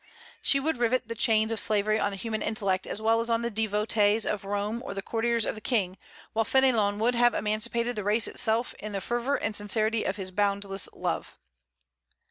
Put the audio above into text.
She would rivet the chains of slavery on the human intellect as well as on the devotees of Rome or the courtiers of the King, while Fénelon would have emancipated the race itself in the fervor and sincerity of his boundless love.